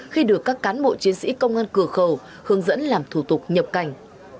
khi được các cán bộ chiến sĩ công an cửa khẩu hướng dẫn làm thủ tục nhập cảnh